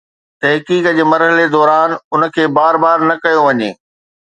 تحقيق جي مرحلي دوران ان کي بار بار نه ڪيو وڃي.